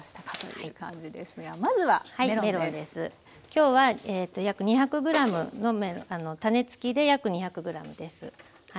今日は約２００ｇのメロン種つきで約２００ｇです。